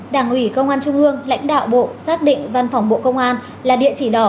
đảng ủy công an trung ương lãnh đạo bộ xác định văn phòng bộ công an là địa chỉ đỏ